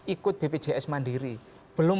ikut bbcs mandiri belum